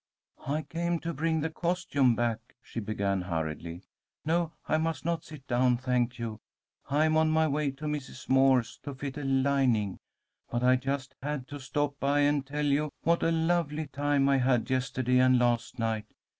"I came to bring the costume back," she began, hurriedly. "No, I must not sit down, thank you. I am on my way to Mrs. Moore's to fit a lining. But I just had to stop by and tell you what a lovely time I had yesterday and last night.